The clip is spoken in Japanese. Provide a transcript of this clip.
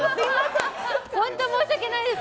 本当に申し訳ないです。